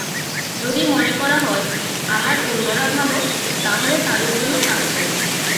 যদি মনে করা হয়, আমার অন্যরা ভালো, তাহলে তাঁদের জন্য কাজ করব।